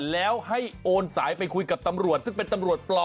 แล้วให้โอนสายไปคุยกับตำรวจซึ่งเป็นตำรวจปลอม